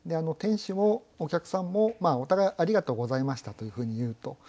店主もお客さんもお互い「ありがとうございました」というふうに言うと。